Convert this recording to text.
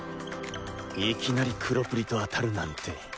いきなり黒プリと当たるなんて。